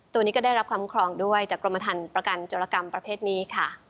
ตัวนี้ก็ได้รับความครองด้วยจากกรมฐานประกันจรกรรมประเภทนี้ค่ะ